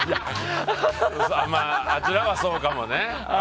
あちらはそうかもね。